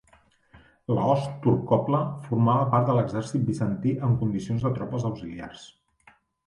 La host turcople formava part de l'exèrcit bizantí en condició de tropes auxiliars.